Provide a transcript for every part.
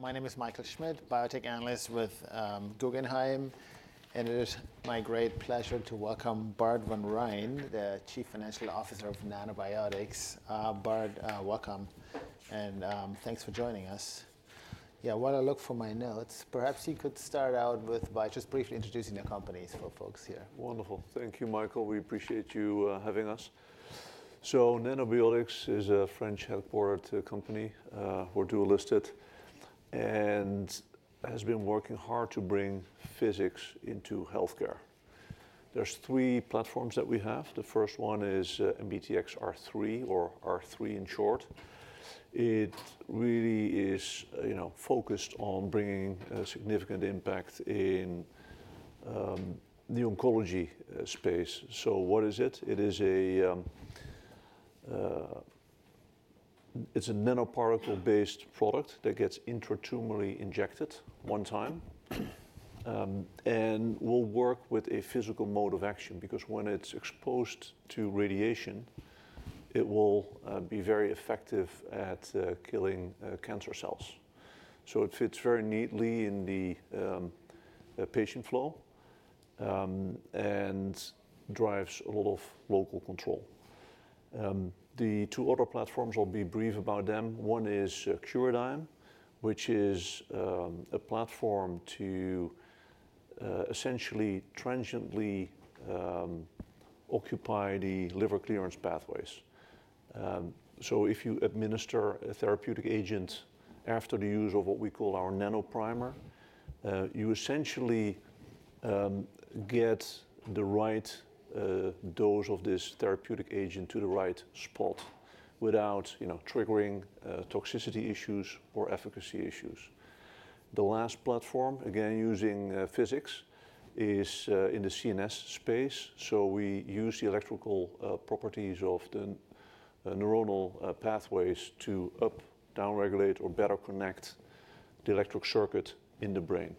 My name is Michael Schmidt, biotech analyst with Guggenheim, and it is my great pleasure to welcome Bart Van Rhijn, the Chief Financial Officer of Nanobiotix. Bart, welcome, and thanks for joining us. Yeah, while I look for my notes, perhaps you could start out by just briefly introducing your company for folks here. Wonderful. Thank you, Michael. We appreciate you having us. So Nanobiotix is a French-headquartered company. We're dual-listed and have been working hard to bring physics into healthcare. There are three platforms that we have. The first one is NBTXR3, or R3 in short. It really is focused on bringing a significant impact in the oncology space. So what is it? It is a nanoparticle-based product that gets intratumorally injected one time and will work with a physical mode of action because when it's exposed to radiation, it will be very effective at killing cancer cells. So it fits very neatly in the patient flow and drives a lot of local control. The two other platforms, I'll be brief about them. One is Curadigm, which is a platform to essentially transiently occupy the liver clearance pathways. If you administer a therapeutic agent after the use of what we call our Nanoprimer, you essentially get the right dose of this therapeutic agent to the right spot without triggering toxicity issues or efficacy issues. The last platform, again using physics, is in the CNS space. So we use the electrical properties of the neuronal pathways to up, downregulate, or better connect the electric circuit in the brain.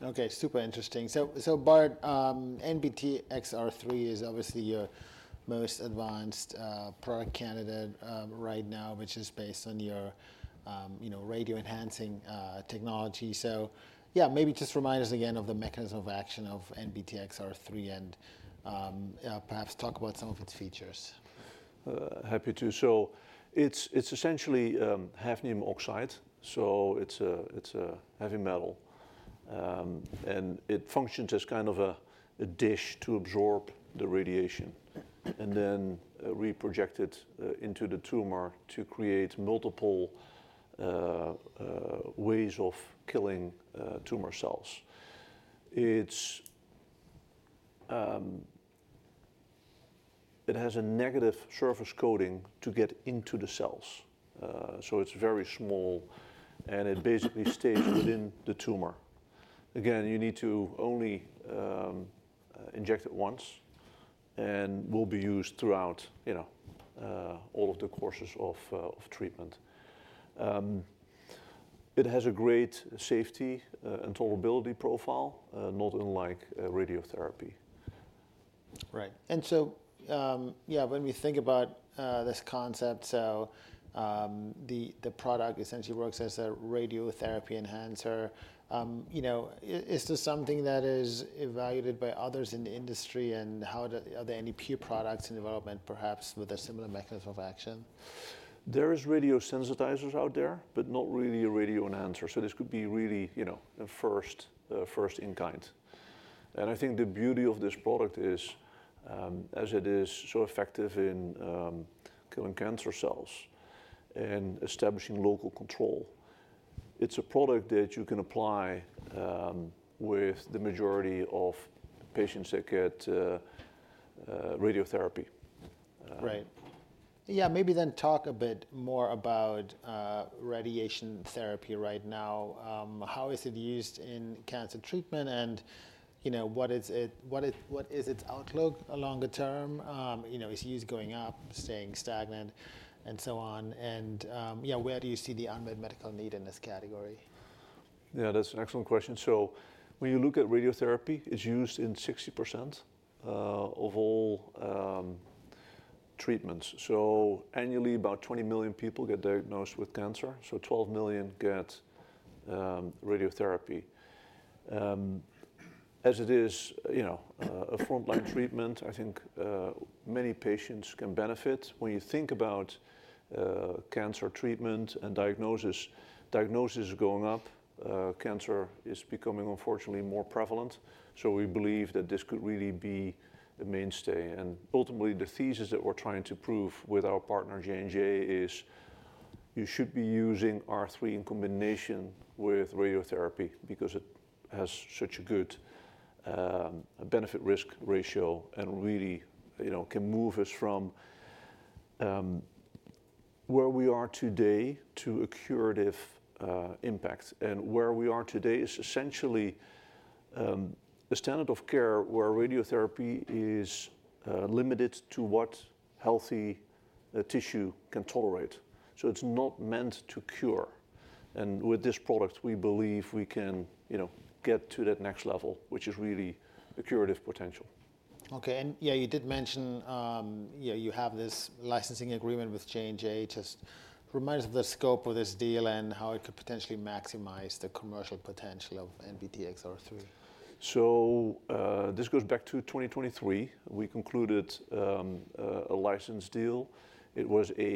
Okay, super interesting. So Bart, NBTXR3 is obviously your most advanced product candidate right now, which is based on your radio-enhancing technology. So yeah, maybe just remind us again of the mechanism of action of NBTXR3 and perhaps talk about some of its features. Happy to. So it's essentially hafnium oxide. So it's a heavy metal. And it functions as kind of a dish to absorb the radiation and then reproject it into the tumor to create multiple ways of killing tumor cells. It has a negative surface coating to get into the cells. So it's very small, and it basically stays within the tumor. Again, you need to only inject it once and will be used throughout all of the courses of treatment. It has a great safety and tolerability profile, not unlike radiotherapy. Right. And so yeah, when we think about this concept, so the product essentially works as a radiotherapy enhancer. Is this something that is evaluated by others in the industry, and are there any peer products in development, perhaps with a similar mechanism of action? There are radiosensitizers out there, but not really a radioenhancer. So this could be really the first in kind. And I think the beauty of this product is, as it is so effective in killing cancer cells and establishing local control, it's a product that you can apply with the majority of patients that get radiotherapy. Right. Yeah, maybe then talk a bit more about radiation therapy right now. How is it used in cancer treatment, and what is its outlook longer term? Is it used going up, staying stagnant, and so on? And yeah, where do you see the unmet medical need in this category? Yeah, that's an excellent question. So when you look at radiotherapy, it's used in 60% of all treatments. So annually, about 20 million people get diagnosed with cancer. So 12 million get radiotherapy. As it is a frontline treatment, I think many patients can benefit. When you think about cancer treatment and diagnosis, diagnosis is going up. Cancer is becoming, unfortunately, more prevalent. So we believe that this could really be the mainstay. And ultimately, the thesis that we're trying to prove with our partner, J&J, is you should be using R3 in combination with radiotherapy because it has such a good benefit-risk ratio and really can move us from where we are today to a curative impact. And where we are today is essentially a standard of care where radiotherapy is limited to what healthy tissue can tolerate. So it's not meant to cure. With this product, we believe we can get to that next level, which is really a curative potential. Okay. And yeah, you did mention you have this licensing agreement with J&J. Just remind us of the scope of this deal and how it could potentially maximize the commercial potential of NBTXR3. This goes back to 2023. We concluded a license deal. It was a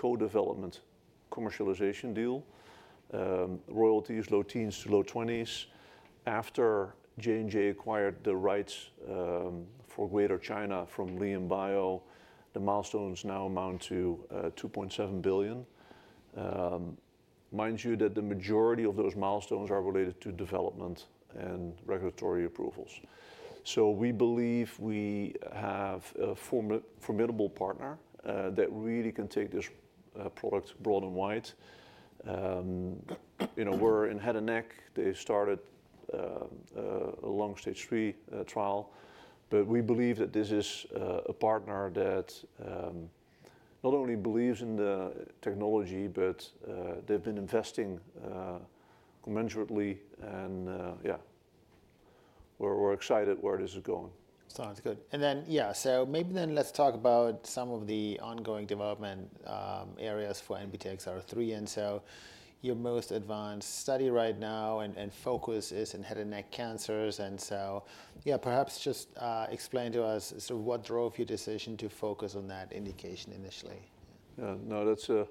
co-development commercialization deal. Royalties low teens to low 20s. After J&J acquired the rights for Greater China from LianBio, the milestones now amount to $2.7 billion. Mind you that the majority of those milestones are related to development and regulatory approvals. We believe we have a formidable partner that really can take this product broad and wide. We're in head and neck. They started a late-stage three trial. We believe that this is a partner that not only believes in the technology, but they've been investing commensurately. Yeah, we're excited where this is going. Sounds good. And then yeah, so maybe then let's talk about some of the ongoing development areas for NBTXR3. And so your most advanced study right now and focus is in head and neck cancers. And so yeah, perhaps just explain to us sort of what drove your decision to focus on that indication initially. Yeah, no, that's a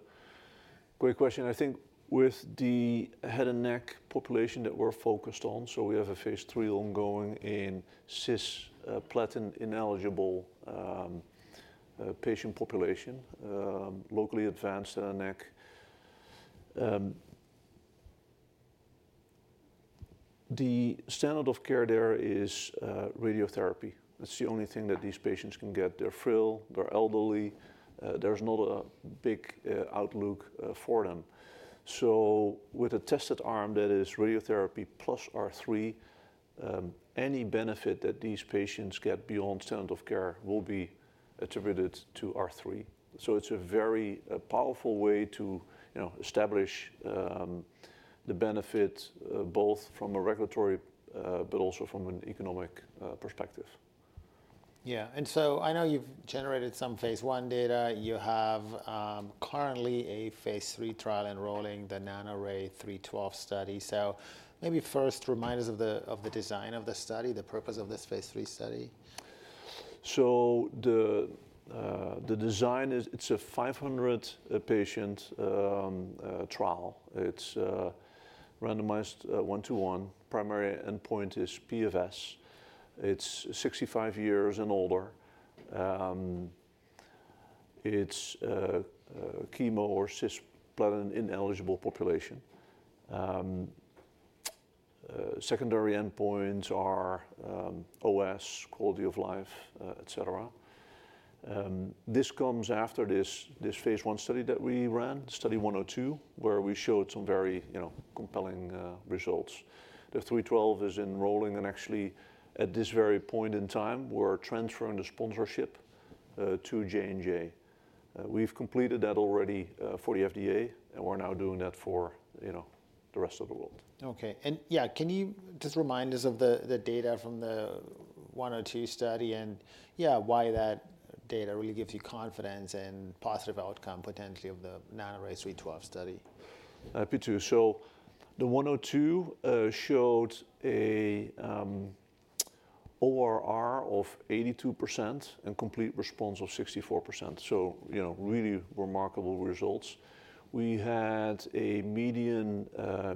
great question. I think with the head and neck population that we're focused on, so we have a Phase 3 ongoing in cisplatin-ineligible patient population, locally advanced head and neck. The standard of care there is radiotherapy. That's the only thing that these patients can get. They're frail. They're elderly. There's not a big outlook for them, so with a test arm that is radiotherapy plus R3, any benefit that these patients get beyond standard of care will be attributed to R3, so it's a very powerful way to establish the benefit both from a regulatory but also from an economic perspective. Yeah. And so I know you've generated some phase one data. You have currently a phase three trial enrolling, the NANORAY-312 study. So maybe first remind us of the design of the study, the purpose of this Phase 3 study. So the design is it's a 500-patient trial. It's randomized one-to-one. Primary endpoint is PFS. It's 65 years and older. It's chemo or cisplatin-ineligible population. Secondary endpoints are OS, quality of life, et cetera. This comes after this phase one study that we ran, study 102, where we showed some very compelling results. The 312 is enrolling. And actually, at this very point in time, we're transferring the sponsorship to J&J. We've completed that already for the FDA, and we're now doing that for the rest of the world. Okay. And yeah, can you just remind us of the data from the Study 102 and yeah, why that data really gives you confidence and positive outcome potentially of the NANORAY-312 study? Happy to. The 102 showed an ORR of 82% and complete response of 64%. Really remarkable results. We had a median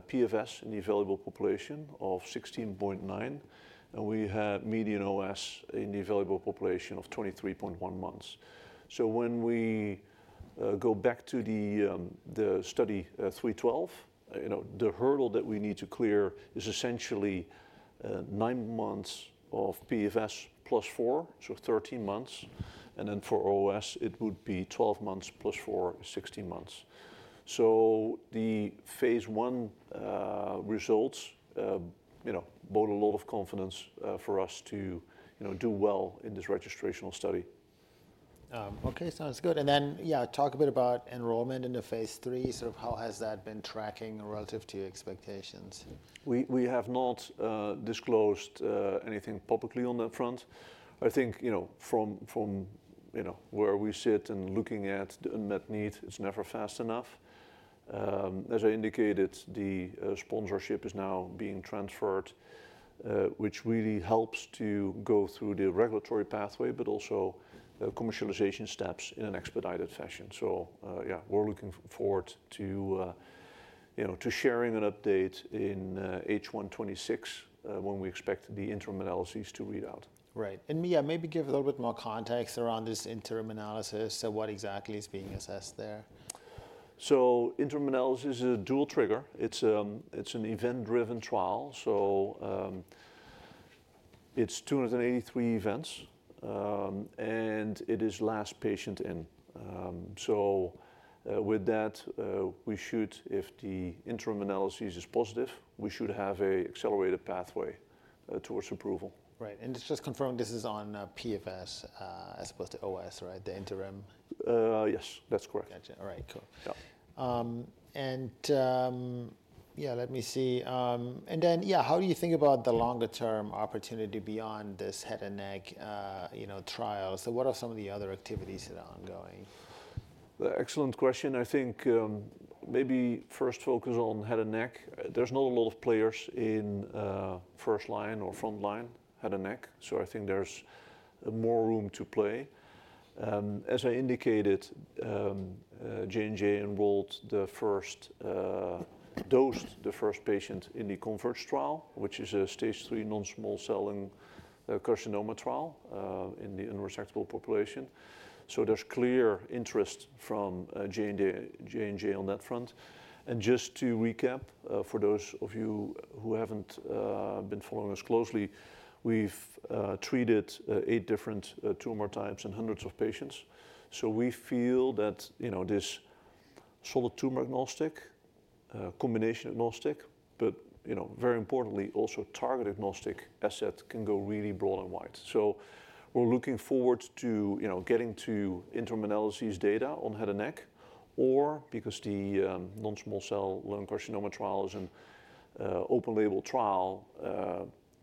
PFS in the available population of 16.9, and we had median OS in the available population of 23.1 months. When we go back to the study 312, the hurdle that we need to clear is essentially nine months of PFS plus four, so 13 months. Then for OS, it would be 12 months plus four, 16 months. The phase one results brought a lot of confidence for us to do well in this registrational study. Okay, sounds good. And then yeah, talk a bit about enrollment in the Phase 3. Sort of how has that been tracking relative to your expectations? We have not disclosed anything publicly on that front. I think from where we sit and looking at the unmet need, it's never fast enough. As I indicated, the sponsorship is now being transferred, which really helps to go through the regulatory pathway, but also commercialization steps in an expedited fashion. So yeah, we're looking forward to sharing an update in H1 2026 when we expect the interim analyses to read out. Right. And yeah, maybe give a little bit more context around this interim analysis and what exactly is being assessed there. Interim analysis is a dual trigger. It's an event-driven trial. It's 283 events, and it is last patient in. With that, we should, if the interim analysis is positive, we should have an accelerated pathway towards approval. Right. And just confirm, this is on PFS as opposed to OS, right? The interim. Yes, that's correct. Gotcha. All right, cool. And yeah, let me see. And then yeah, how do you think about the longer-term opportunity beyond this head and neck trial? So what are some of the other activities that are ongoing? Excellent question. I think maybe first focus on head and neck. There's not a lot of players in first line or front line head and neck, so I think there's more room to play. As I indicated, J&J enrolled and dosed the first patient in the Converge trial, which is a Phase 3 non-small cell lung carcinoma trial in the unresectable population, so there's clear interest from J&J on that front, and just to recap, for those of you who haven't been following us closely, we've treated eight different tumor types and hundreds of patients, so we feel that this solid tumor agnostic, combination agnostic, but very importantly, also target agnostic asset can go really broad and wide. We're looking forward to getting to interim analyses data on head and neck, or because the non-small cell lung carcinoma trial is an open-label trial,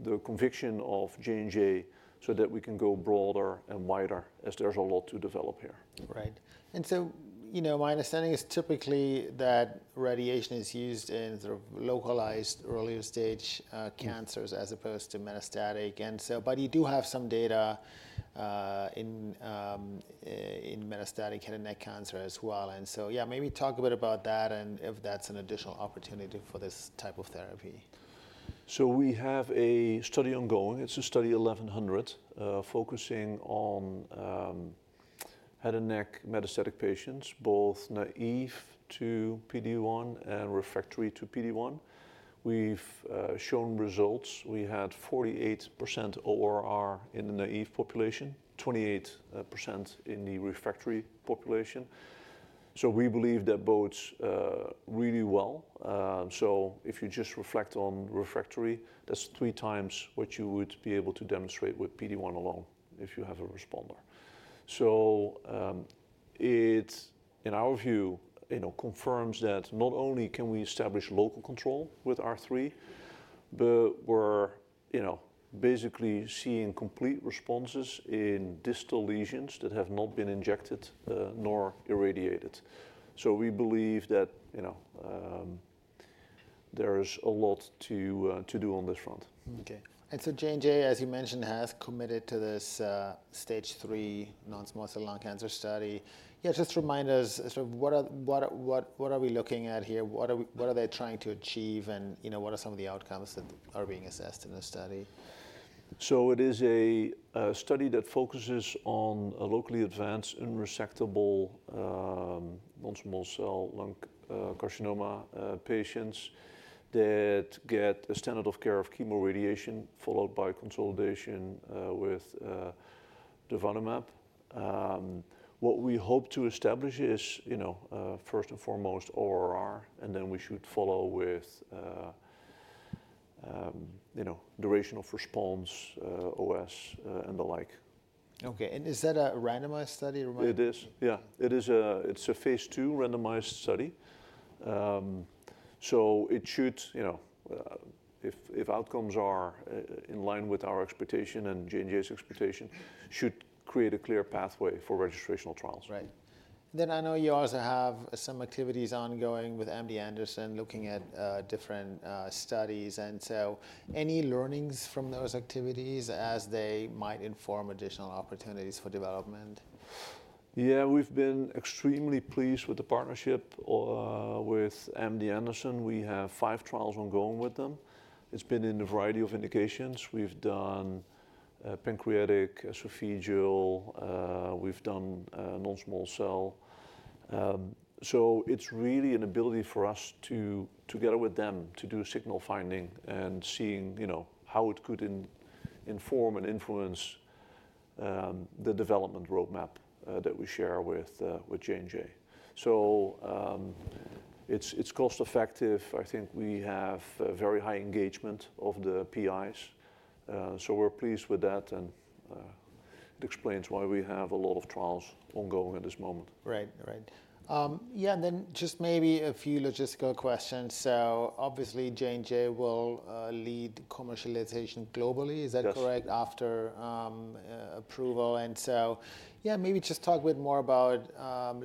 the conviction of J&J so that we can go broader and wider as there's a lot to develop here. Right. And so my understanding is typically that radiation is used in sort of localized earlier stage cancers as opposed to metastatic. And so, but you do have some data in metastatic head and neck cancer as well. And so yeah, maybe talk a bit about that and if that's an additional opportunity for this type of therapy? So we have a study ongoing. It's Study 1100 focusing on head and neck metastatic patients, both naive to PD-1 and refractory to PD-1. We've shown results. We had 48% ORR in the naive population, 28% in the refractory population. So we believe that bodes really well. So if you just reflect on refractory, that's three times what you would be able to demonstrate with PD-1 alone if you have a responder. So it, in our view, confirms that not only can we establish local control with R3, but we're basically seeing complete responses in distal lesions that have not been injected nor irradiated. So we believe that there is a lot to do on this front. Okay. And so J&J, as you mentioned, has committed to this Phase 3 non-small cell lung cancer study. Yeah, just remind us, what are we looking at here? What are they trying to achieve? And what are some of the outcomes that are being assessed in this study? It is a study that focuses on locally advanced unresectable non-small cell lung carcinoma patients that get a standard of care of chemoradiation followed by consolidation with durvalumab. What we hope to establish is first and foremost ORR, and then we should follow with duration of response, OS, and the like. Okay, and is that a randomized study? It is. Yeah. It's a Phase 2 randomized study. So it should, if outcomes are in line with our expectation and J&J's expectation, create a clear pathway for registrational trials. Right. And then I know you also have some activities ongoing with MD Anderson looking at different studies. And so any learnings from those activities as they might inform additional opportunities for development? Yeah, we've been extremely pleased with the partnership with MD Anderson. We have five trials ongoing with them. It's been in a variety of indications. We've done pancreatic, esophageal. We've done non-small cell. So it's really an ability for us, together with them, to do signal finding and seeing how it could inform and influence the development roadmap that we share with J&J. So it's cost-effective. I think we have very high engagement of the PIs. So we're pleased with that. And it explains why we have a lot of trials ongoing at this moment. Right. Right. Yeah. And then just maybe a few logistical questions. So obviously, J&J will lead commercialization globally. Is that correct? That's correct. After approval and so yeah, maybe just talk a bit more about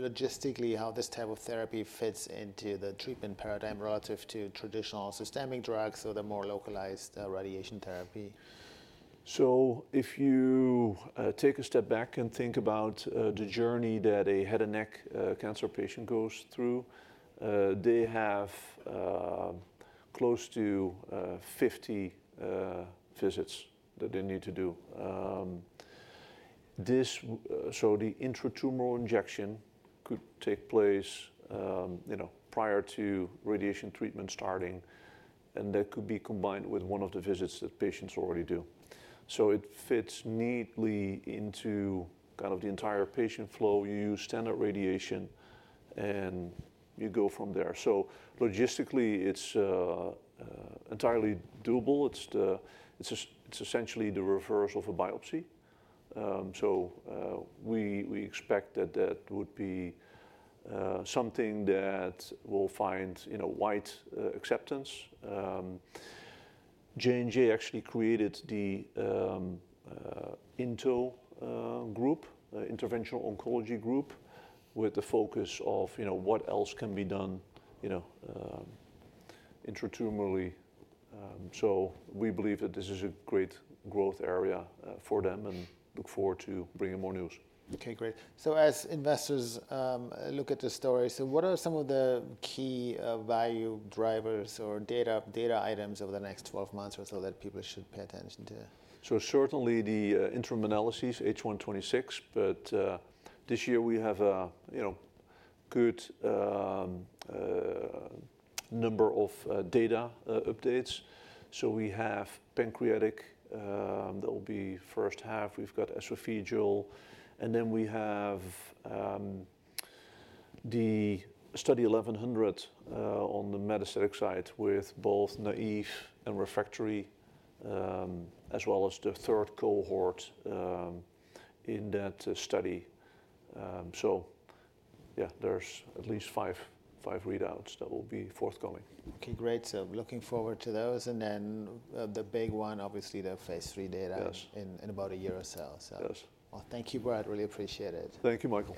logistically how this type of therapy fits into the treatment paradigm relative to traditional systemic drugs or the more localized radiation therapy. So if you take a step back and think about the journey that a head and neck cancer patient goes through, they have close to 50 visits that they need to do. So the intratumoral injection could take place prior to radiation treatment starting, and that could be combined with one of the visits that patients already do. So it fits neatly into kind of the entire patient flow. You use standard radiation, and you go from there. So logistically, it's entirely doable. It's essentially the reverse of a biopsy. So we expect that that would be something that will find wide acceptance. J&J actually created the INTO group, Interventional Oncology group, with the focus of what else can be done intratumorally. So we believe that this is a great growth area for them and look forward to bringing more news. Okay, great. So as investors look at the story, so what are some of the key value drivers or data items over the next 12 months or so that people should pay attention to? Certainly the interim analyses, H1 2026, but this year we have a good number of data updates. We have pancreatic that will be first half. We've got esophageal. Then we have the Study 1100 on the metastatic side with both naive and refractory, as well as the third cohort in that study. Yeah, there's at least five readouts that will be forthcoming. Okay, great. So looking forward to those. And then the big one, obviously the phase three data in about a year or so. Yes. Well, thank you, Bart. Really appreciate it. Thank you, Michael.